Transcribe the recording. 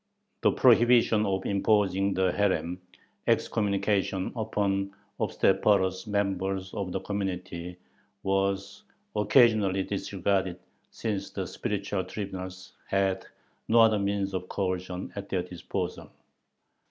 The prohibition of imposing the herem (excommunication) upon obstreperous members of the community was occasionally disregarded, since the "spiritual" tribunals had no other means of coercion at their disposal.